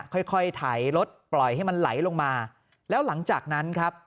ค่อยค่อยไถรถปล่อยให้มันไหลลงมาแล้วหลังจากนั้นครับ